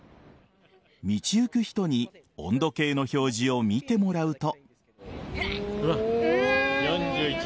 道行く人に温度計の表示を見てもらうと。